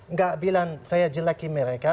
nggak bilang saya jeleki mereka